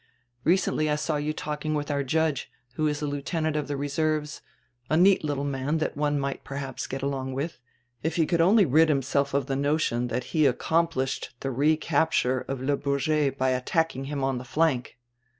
Recently I saw you talking with our judge, who is a lieutenant of die reserves, a neat littie man tiiat one might perhaps get along with, if he could only rid himself of die notion tiiat he accomplished die recapture of Le Bourget by attacking him on die flank.